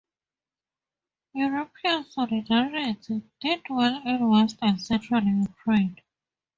European Solidarity did well in West and central Ukraine.